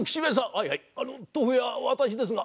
はいはい豆腐屋は私ですが。